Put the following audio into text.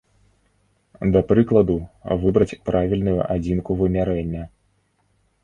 Да прыкладу, выбраць правільную адзінку вымярэння.